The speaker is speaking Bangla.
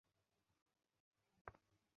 সব কথাতেই মজা।